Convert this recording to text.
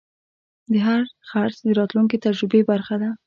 هر خرڅ د راتلونکي تجربې برخه ده.